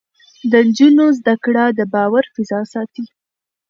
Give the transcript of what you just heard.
د نجونو زده کړه د باور فضا ساتي.